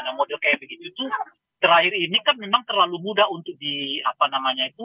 nah model kayak begitu tuh terakhir ini kan memang terlalu mudah untuk di apa namanya itu